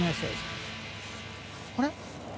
あれ？